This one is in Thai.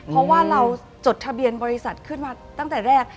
เพราะว่าเราจดทะเบียนบริษัทขึ้นมาตั้งแต่แรก